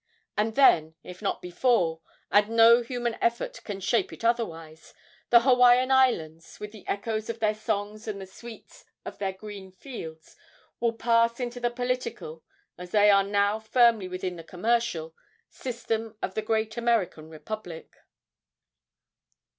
And then, if not before and no human effort can shape it otherwise the Hawaiian Islands, with the echoes of their songs and the sweets of their green fields, will pass into the political, as they are now firmly within the commercial, system of the great American Republic.